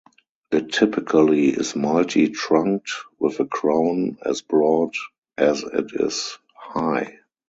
It typically is multi-trunked, with a crown as broad as it is high.